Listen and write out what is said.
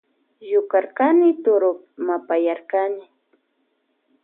Llucharkani turupi mapayarkani.